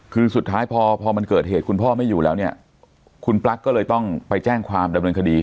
คือสุดท้ายพอพอมันเกิดเหตุคุณพ่อไม่อยู่แล้วเนี่ยคุณปลั๊กก็เลยต้องไปแจ้งความดำเนินคดี